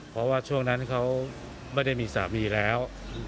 เพราะว่าช่วงนั้นเขาไม่ได้มีสามีแล้ว